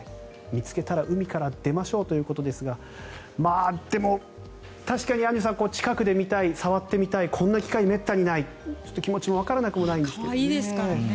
見つけたら海から出ましょうということですがでも、確かにアンジュさん近くで見たい触ってみたいこんな機会めったにないという気持ちもわかるんですけどね。